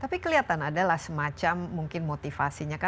tapi kelihatan adalah semacam mungkin motivasinya